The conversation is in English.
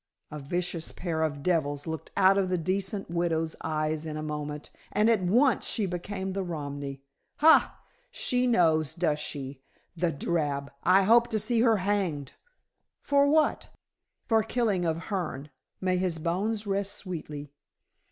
A vicious pair of devils looked out of the decent widow's eyes in a moment, and at once she became the Romany. "Hai! She knows, does she, the drab! I hope to see her hanged." "For what?" "For killing of Hearne, may his bones rest sweetly."